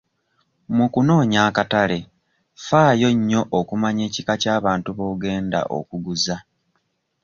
Mu kunoonya akatale faayo nnyo okumanya ekika ky'abantu b'ogenda okuguza.